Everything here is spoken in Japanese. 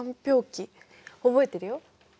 氷期覚えてるよ。